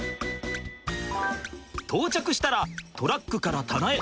到着したらトラックから棚へ。